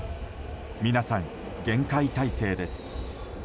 皆さん厳戒態勢です。